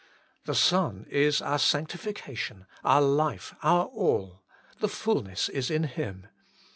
The Son is our Sanctificatiori, our Life, our All : the fulness is in Him.